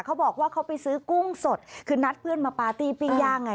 เขาบอกว่าเขาไปซื้อกุ้งสดคือนัดเพื่อนมาปาร์ตี้ปิ้งย่างไง